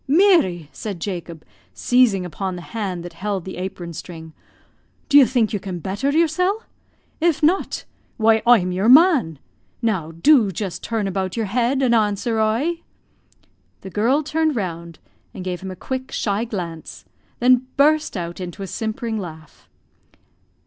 "Meary," said Jacob, seizing upon the hand that held the apron string. "Do you think you can better yoursel'? If not why, oie'm your man. Now, do just turn about your head and answer oie." The girl turned round, and gave him a quick, shy glance, then burst out into a simpering laugh.